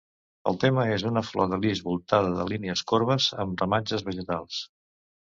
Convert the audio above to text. El tema és una flor de lis voltada de línies corbes amb ramatges vegetals.